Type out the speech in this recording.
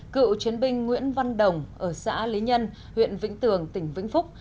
cựu chiến binh nguyễn văn đồng ở xã lý nhân huyện vĩnh tường tỉnh vĩnh phúc